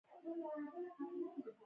کورس د زده کړو خوږ یادونه ده.